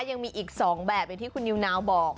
ยังมีอีก๒แบบอย่างที่คุณนิวนาวบอก